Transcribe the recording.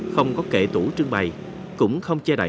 không có kệ tủ trưng bày cũng không che đậy